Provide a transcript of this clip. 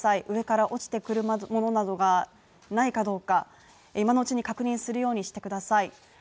上から落ちてくるものなどがないかどうか、今のうちに確認するようにしてください